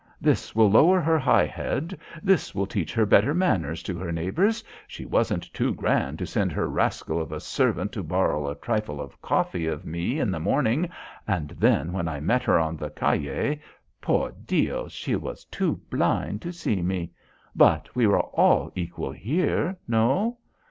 This will lower her high head. This will teach her better manners to her neighbours. She wasn't too grand to send her rascal of a servant to borrow a trifle of coffee of me in the morning, and then when I met her on the calle por Dios, she was too blind to see me. But we are all equal here. No?